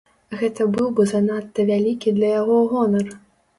Гэта быў бы занадта вялікі для яго гонар.